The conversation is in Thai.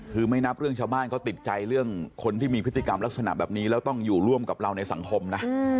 คือไม่นับเรื่องชาวบ้านเขาติดใจเรื่องคนที่มีพฤติกรรมลักษณะแบบนี้แล้วต้องอยู่ร่วมกับเราในสังคมนะ